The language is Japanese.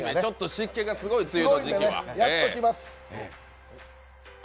湿気が強い、梅雨の時期は。